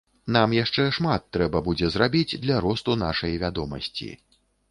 Нам яшчэ шмат трэба будзе зрабіць для росту нашай вядомасці.